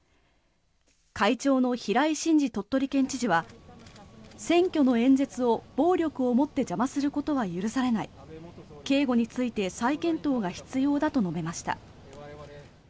会長の平井伸治鳥取県知事は選挙の演説を暴力をもって邪魔することは許されない警護について再検討が必要だと述べました。